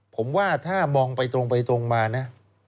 ผมว่าถ้ามองไปตรงไปตรงมานะ